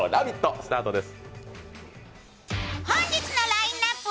スタートです。